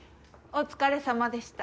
おつかれさまでした。